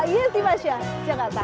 yes di masya jakarta